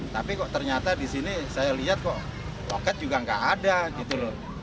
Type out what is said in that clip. tapi kok ternyata di sini saya lihat kok loket juga nggak ada gitu loh